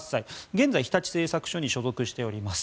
現在日立製作所に所属しております。